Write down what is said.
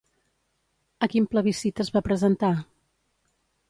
A quin plebiscit es va presentar?